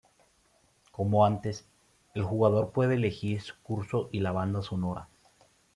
Como antes, el jugador puede elegir su curso y la banda sonora.